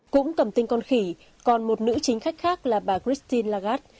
cũng cầm tin con khỉ còn một nữ chính khách khác là bà christine lagarde